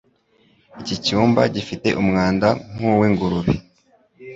Iki cyumba gifite umwanda nku wingurube.